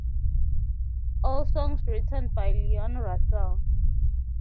All songs written by Leon Russell.